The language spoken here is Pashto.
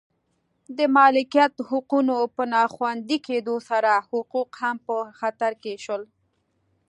د مالکیت حقونو په نا خوندي کېدو سره حقوق هم په خطر کې شول